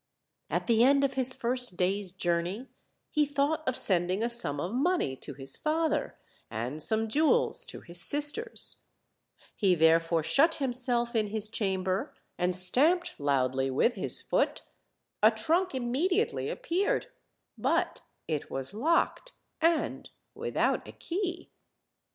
At the end of his first day's journey he thought of sending a sum of money to his father, and some jewels to his sisters; he therefore shut himself in his chamber, and stamped loudly with his foot; a trunk immediately ap peared but it was locked, and without a key.